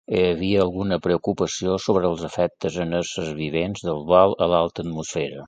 Hi havia alguna preocupació sobre els efectes en éssers vivents del vol a l'alta atmosfera.